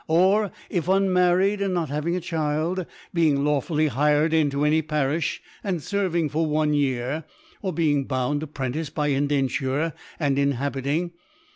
r. or (if unmarried and not having a Child) being law&ily hired into any Pariflh, and fcrving for one Year, or being bound Apprentice by Indenture, and inhabiting, (^c.